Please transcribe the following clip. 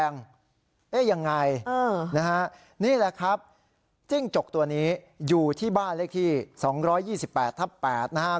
นะฮะนี่แหละครับจิ้งจกตัวนี้อยู่ที่บ้านเลขที่สองร้อยยี่สิบแปดทับแปดนะฮะ